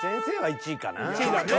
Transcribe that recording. １位だね。